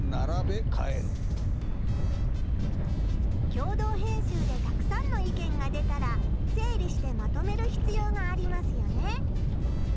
共同編集でたくさんの意見が出たら整理してまとめるひつようがありますよね。